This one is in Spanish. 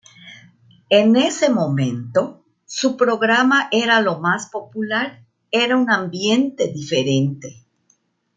En ese momento, su programa era lo más popular, era un ambiente diferente.